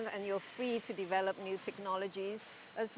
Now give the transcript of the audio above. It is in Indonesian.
dan anda bebas untuk membangun teknologi baru